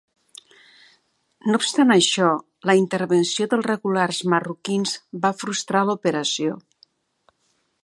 No obstant això, la intervenció dels regulars marroquins va frustrar l'operació.